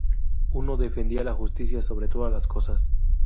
Uno defendía la justicia sobre todas las cosas.